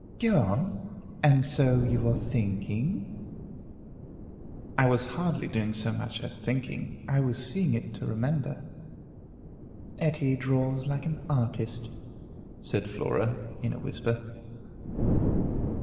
"Go on. And so you were thinking " "I was hardly doing so much as thinking. I was seeing it to remember." "Etty draws like an artist," said Flora, in a whisper.